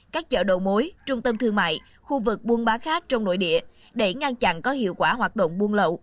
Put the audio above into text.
các chợ đầu mối trung tâm thương mại khu vực buôn bá khác trong nội địa để ngăn chặn có hiệu quả hoạt động buôn lậu